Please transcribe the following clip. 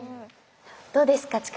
どうですか？